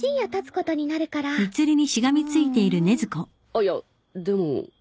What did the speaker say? あっいやでも。